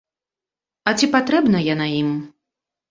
А ці патрэбна яна ім?